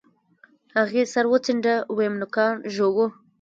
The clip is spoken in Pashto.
هغې سر وڅنډه ويم نوکان ژوو.